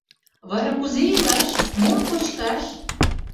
Вара кузе илаш, мом кочкаш?